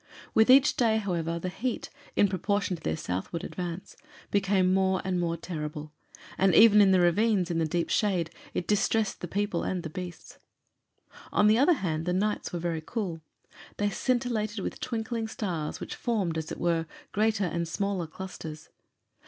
With each day, however, the heat, in proportion to their southward advance, became more and more terrible, and even in the ravines, in the deep shade, it distressed the people and the beasts. On the other hand, the nights were very cool; they scintillated with twinkling stars which formed, as it were, greater and smaller clusters.